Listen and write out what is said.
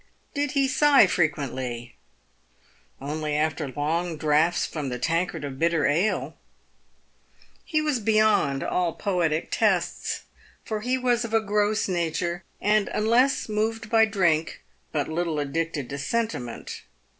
Did he sigh frequently ? Only after long draughts from the tankard of bitter ale. He was beyond all poetic tests, for he was of a gross nature, and, unless moved by drink, but little addicted to sentiment.